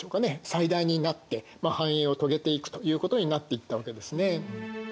最大になって繁栄を遂げていくということになっていったわけですね。